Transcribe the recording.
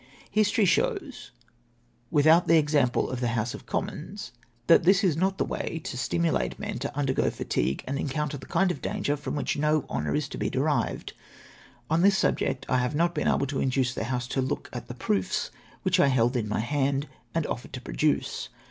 History shows, without the example of the House of Commons, that this is not the way to stimulate men to undergo fatigue, and encounter that kind of danger, from which no honour is to be derived. On this subject I have not been able to induce the House to look at the proofs which I held in my hand, and offered to produce.